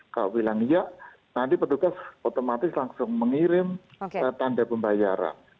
kalau bilang iya nanti petugas otomatis langsung mengirim tanda pembayaran